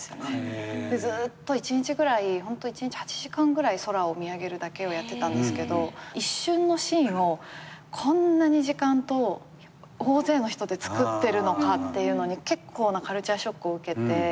ずーっと１日ぐらいホント１日８時間ぐらい空を見上げるだけをやってたんですけど一瞬のシーンをこんなに時間と大勢の人でつくってるのかって結構なカルチャーショックを受けて。